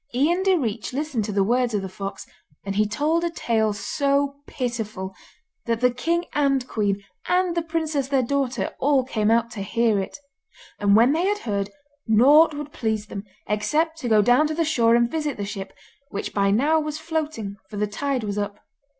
Ian Direach listened to the words of the fox, and he told a tale so pitiful, that the king and queen, and the princess their daughter, all came out to hear it. And when they had heard, nought would please them except to go down to the shore and visit the ship, which by now was floating, for the tide was up.